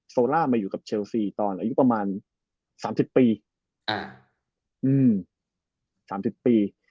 โซล่ามาอยู่กับเชลซีตอนอายุประมาณ๓๐ปี๓๐ปี